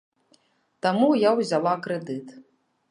Таму я ўзяла крэдыт.